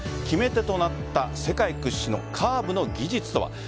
決め手となった世界屈指のカーブの技術とは。